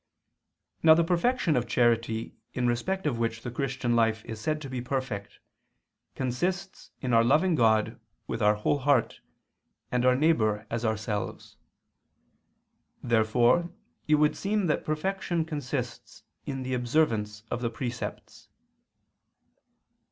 Now the perfection of charity, in respect of which the Christian life is said to be perfect, consists in our loving God with our whole heart, and our neighbor as ourselves. Therefore it would seem that perfection consists in the observance of the precepts.